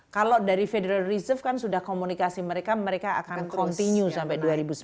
kalau dari federal reserve kan sudah komunikasi mereka mereka akan continue sampai dua ribu sembilan belas